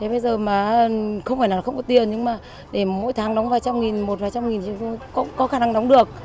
thế bây giờ mà không phải là không có tiền nhưng mà để mỗi tháng đóng vài trăm nghìn một vài trăm nghìn cũng có khả năng đóng được